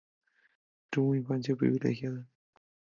Tuvo una infancia privilegiada.